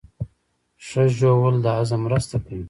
ښه ژوول د هضم مرسته کوي